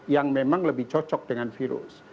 yang memang lebih cocok dengan virus